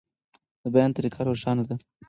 د بیان طریقه روښانه ده.